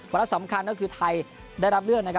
และสำคัญก็คือไทยได้รับเลือก